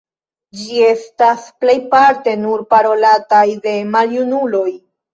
Ĝi estas plejparte nur parolataj de maljunuloj.